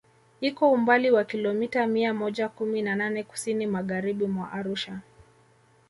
Iko umbali wa kilomita mia moja kumi na nane Kusini Magharibi mwa Arusha